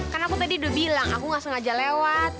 karena aku tadi udah bilang aku gak sengaja lewat